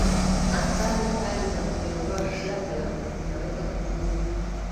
athari kali za kujiondoa kighafla zinaweza kudhuru